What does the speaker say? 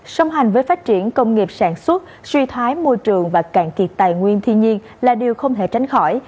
song hành với phát triển công nghiệp sản xuất suy thoái môi trường và cạn kiệt tài nguyên thiên nhiên là điều không thể tránh khỏi